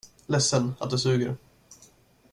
Ledsen, att det suger.